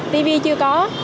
tv chưa có